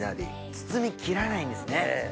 包みきらないんですね。